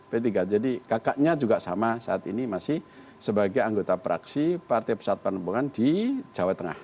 p tiga jadi kakaknya juga sama saat ini masih sebagai anggota praksi partai persatuan pembangunan di jawa tengah